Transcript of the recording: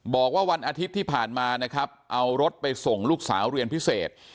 บอกว่าวันอาทิตย์ที่ผ่านมานะครับเอารถไปส่งลูกสาวเรียนพิเศษ